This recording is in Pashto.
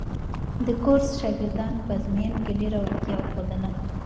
د کورس شاګردانو په ازموینو کې ډېره وړتیا وښودله.